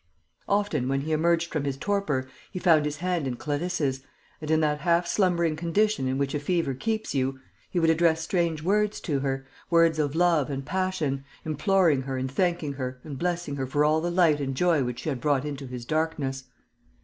Often, when he emerged from his torpor, he found his hand in Clarisse's and, in that half slumbering condition in which a fever keeps you, he would address strange words to her, words of love and passion, imploring her and thanking her and blessing her for all the light and joy which she had brought into his darkness.